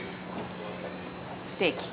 ステーキ。